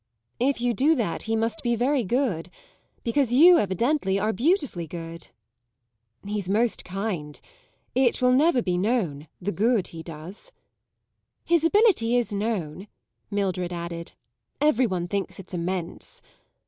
"If you do that he must be very good because you, evidently, are beautifully good." "He's most kind. It will never be known, the good he does." "His ability is known," Mildred added; "every one thinks it's immense."